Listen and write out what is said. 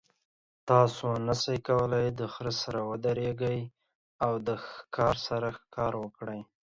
تاسو نشئ کولی د خر سره ودریږئ او د ښکار سره ښکار وکړئ.